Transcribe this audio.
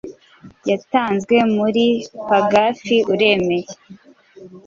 yatanzwe muri paragarafi f uremeye